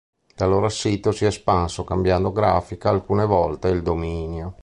Da allora il sito si è espanso, cambiando grafica alcune volte e il dominio.